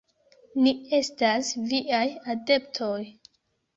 Ni estas viaj adeptoj.